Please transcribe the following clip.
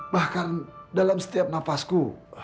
bahkan dalam setiap nafasku